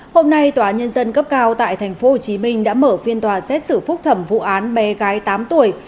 hôm nay tòa nhân dân cấp cao tại tp hcm đã mở phiên tòa xét xử phúc thẩm vụ án bé gái tám tuổi